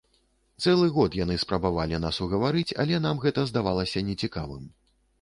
Цэлы год яны спрабавалі нас угаварыць, але нам гэта здавалася нецікавым.